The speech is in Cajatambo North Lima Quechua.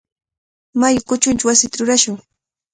Mayu kuchunchaw wasita rurarishun.